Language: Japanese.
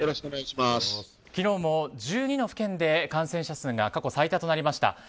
昨日も１２の府県で感染者数が過去最多となりました。